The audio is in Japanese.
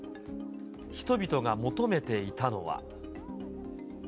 人々が求めていたのは。